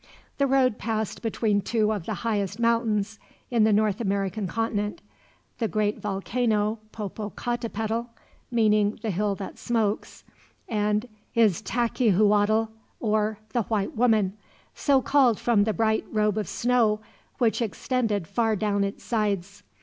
The road passed between two of the highest mountains in the North American continent the great volcano Popocatepetl, meaning "the hill that smokes," and Iztaccihuatl, or "the white woman," so called from the bright robe of snow which extended far down its sides.